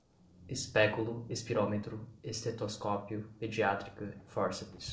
espéculo, espirômetro, estetoscópio, pediátrica, fórceps